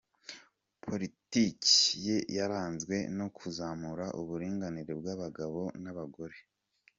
Politiki ye yaranzwe no kuzamura uburinganire bw’abagabo n’abagore.